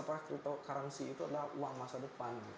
karena cryptocurrency itu adalah uang masa depan